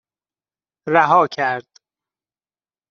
رها کرد